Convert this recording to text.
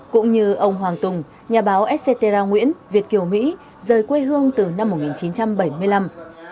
cũng như ông hoàng tùng nhà báo sc terra nguyễn việt kiều mỹ rời quê hương từ năm một nghìn chín trăm bảy mươi năm